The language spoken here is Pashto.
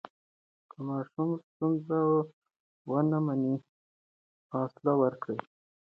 که ماشوم ستونزه ونه مني، حوصله ورکړئ.